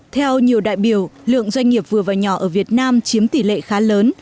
theo nhiều đại biểu lượng doanh nghiệp vừa và nhỏ ở việt nam chiếm tỷ lệ khá lớn